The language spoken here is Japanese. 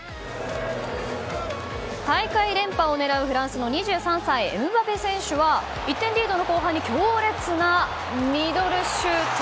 大会連覇を狙うフランスの２３歳エムバペ選手は１点リードの後半に強烈なミドルシュート！